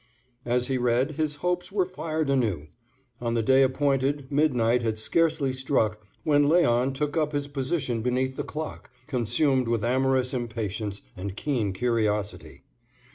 As he read, his hopes were fired anew. On the day appointed, midnight had scarcely struck when Léon took up his position beneath the clock, consumed with amorous impatience and keen curiosity.